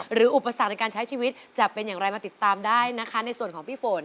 อุปสรรคในการใช้ชีวิตจะเป็นอย่างไรมาติดตามได้นะคะในส่วนของพี่ฝน